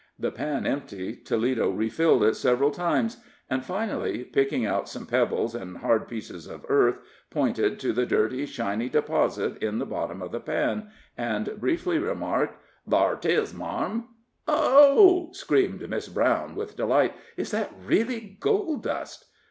The pan empty, Toledo refilled it several times; and, finally, picking out some pebbles and hard pieces of earth, pointed to the dirty, shiny deposit in the bottom of the pan, and briefly remarked: "Thar 'tis, marm." "Oh!" screamed Miss Brown, with delight; "is that really gold dust?"